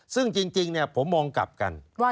ซึ่งจริงผมมองกลับกัน